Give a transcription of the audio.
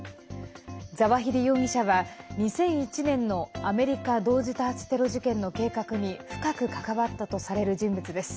ザワヒリ容疑者は２００１年のアメリカ同時多発テロ事件の計画に深く関わったとされる人物です。